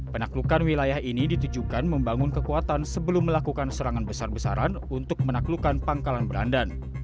penaklukan wilayah ini ditujukan membangun kekuatan sebelum melakukan serangan besar besaran untuk menaklukkan pangkalan berandan